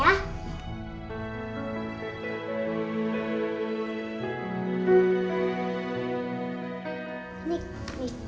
bukan ini buat kamu nih